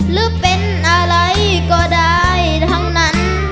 หรือเป็นอะไรก็ได้ทั้งนั้น